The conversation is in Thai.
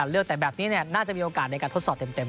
นี่น่าจะมีโอกาสในการทดสอบเต็ม